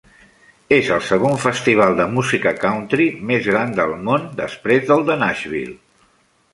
És el segon festival de música country més gran del món, després del de Nashville.